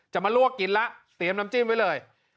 มาลวกกินแล้วเตรียมน้ำจิ้มไว้เลย